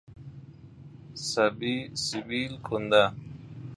سبیل کنده